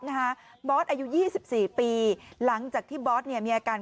นะฮะบอสอายุยี่สิบสี่ปีหลังจากที่บอสเนี่ยมีอาการ